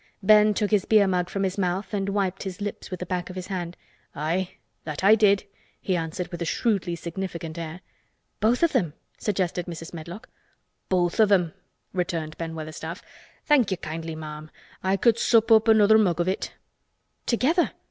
Ben took his beer mug from his mouth and wiped his lips with the back of his hand. "Aye, that I did," he answered with a shrewdly significant air. "Both of them?" suggested Mrs. Medlock. "Both of 'em," returned Ben Weatherstaff. "Thank ye kindly, ma'am, I could sup up another mug of it." "Together?"